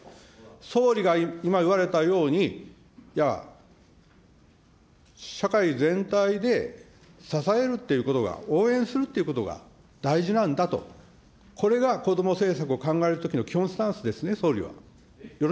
総理が今言われたように、じゃあ、社会全体で支えるっていうことが、応援するということが大事なんだと、これがこども政策を考えるときの基本スタンスですね、総理は。